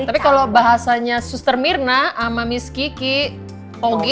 tapi kalau bahasanya suster mirna sama miss kiki oge